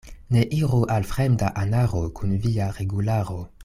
Ne iru al fremda anaro kun via regularo.